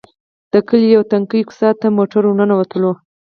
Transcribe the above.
د کلي يوې تنګې کوڅې ته موټر ور ننوتلو.